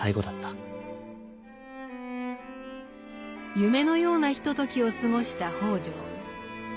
夢のようなひとときを過ごした北條。